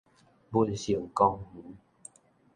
文盛公園